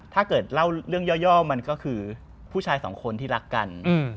ถ้าเกิดเล่าเรื่องย่อมันก็คือผู้ชายสองคนที่รักกัน